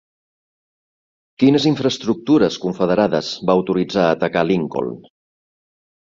Quines infraestructures confederades va autoritzar atacar Lincoln?